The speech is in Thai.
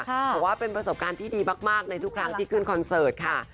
บอกว่าเป็นประสบการณ์ที่ดีมากในทุกครั้งที่ขึ้นคอนเสิร์ตค่ะ